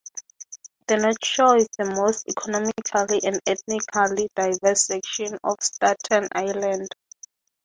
The North Shore is the most economically and ethnically diverse section of Staten Island.